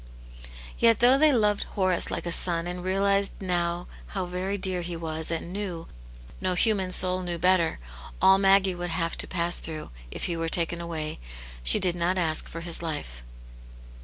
Yet though she loved Horace like a son, and realized now how very dear he was, and knew— no human soul knew better — all Maggie would have to pass through, if he were taken away, she did not ask for his life.